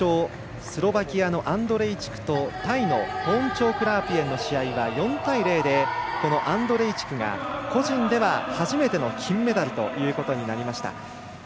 スロバキアのアンドレイチクとタイのポーンチョーク・ラープイェンの試合は４対０でアンドレイチクが個人では初めての金メダルということになりました。